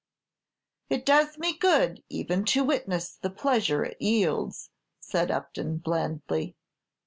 "It does me good even to witness the pleasure it yields," said Upton, blandly.